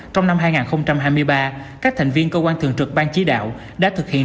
trong năm hai nghìn hai mươi ba các thành viên cơ quan thường trực ban chí đạo đã thực hiện